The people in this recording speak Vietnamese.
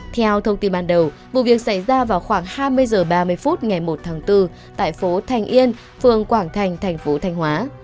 theo thông tin ban đầu vụ việc xảy ra vào khoảng hai mươi h ba mươi phút ngày một tháng bốn tại phố thành yên phường quảng thành thành phố thanh hóa